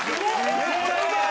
めっちゃうまい！